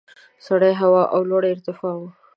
سړې هوا او لوړې ارتفاع وو.